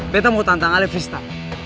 betta mau tantang alevista